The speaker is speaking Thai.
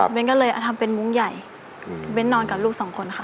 ก็เลยทำเป็นมุ้งใหญ่เบ้นนอนกับลูกสองคนค่ะ